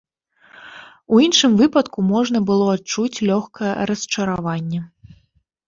У іншым выпадку можна было адчуць лёгкае расчараванне.